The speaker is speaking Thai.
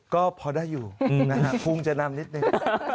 ก็พอได้อยู่ภูมิจะนำนิดหนึ่ง